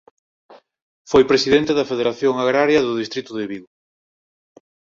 Foi presidente da Federación Agraria do distrito de Vigo.